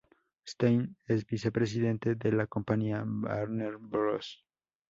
Stein es vicepresidente de la compañía Warner Bros.